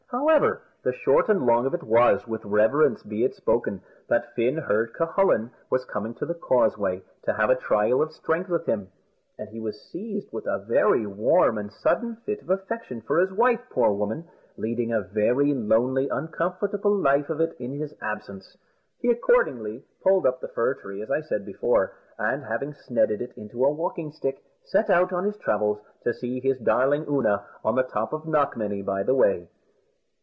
However, the short and long of it was, with reverence be it spoken, that Fin heard Cucullin was coming to the Causeway to have a trial of strength with him; and he was seized with a very warm and sudden fit of affection for his wife, poor woman, leading a very lonely, uncomfortable life of it in his absence. He accordingly pulled up the fir tree, as I said before, and having snedded it into a walking stick, set out on his travels to see his darling Oonagh on the top of Knockmany, by the way.